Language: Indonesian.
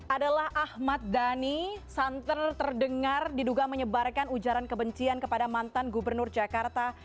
adalah ahmad dhani santer terdengar diduga menyebarkan ujaran kebencian kepada mantan gubernur jakarta